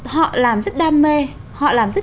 họ làm rất đam mê họ làm rất